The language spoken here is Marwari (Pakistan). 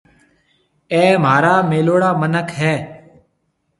اَي مهارا ميلوڙا مِنک هيَ۔